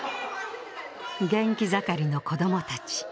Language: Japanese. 元気盛りの子供たち。